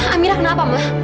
amira kenapa ma